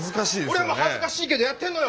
俺も恥ずかしいけどやってんのよ。